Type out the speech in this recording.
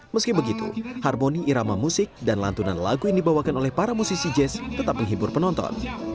meski begitu harmoni irama musik dan lantunan lagu yang dibawakan oleh para musisi jazz tetap menghibur penonton